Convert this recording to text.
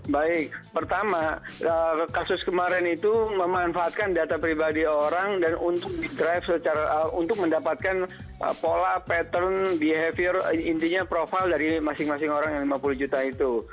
baik pertama kasus kemarin itu memanfaatkan data pribadi orang dan untuk di drive untuk mendapatkan pola pattern behavior intinya profil dari masing masing orang yang lima puluh juta itu